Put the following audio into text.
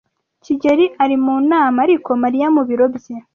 kigeli ari mu nama, ariko Mariya mu biro bye.